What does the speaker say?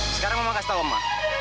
sekarang mama kasih tau ma